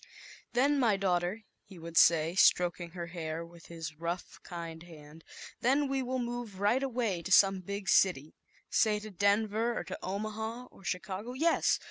"Then, my daughter," he would say, stroking her hair with his rough, kind 111 11 i hand, "then we will move right away I ! fs VLjpOJHM/vflitCf I 1~^ to some big city say, to Denver, or to Omaha, or Chicago; yes.